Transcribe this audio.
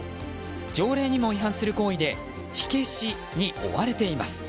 条例にも違反する行為で火消しに追われています。